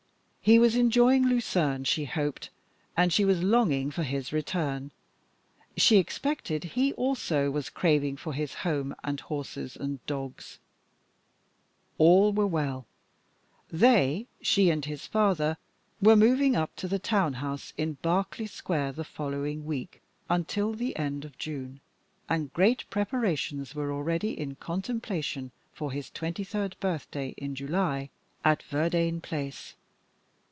He was enjoying Lucerne, she hoped, and she was longing for his return. She expected he also was craving for his home and horses and dogs. All were well. They she and his father were moving up to the town house in Berkeley Square the following week until the end of June, and great preparations were already in contemplation for his twenty third birthday in July at Verdayne Place.